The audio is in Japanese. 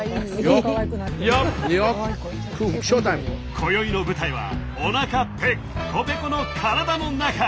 こよいの舞台はおなかぺっこぺこの体の中。